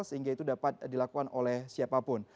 sehingga itu dapat dilakukan oleh siapapun